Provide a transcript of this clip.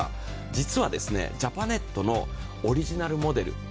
実は、ジャパネットのオリジナルモデル。